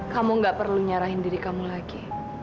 kamu gak perlu nyerahin diri kamu lagi